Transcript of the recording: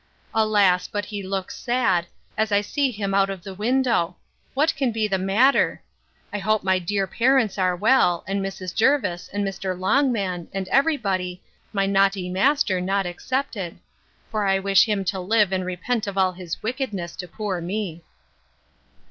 —Alas! but he looks sad, as I see him out of the window! What can be the matter!—I hope my dear parents are well, and Mrs. Jervis, and Mr. Longman, and every body, my naughty master not excepted;—for I wish him to live and repent of all his wickedness to poor me.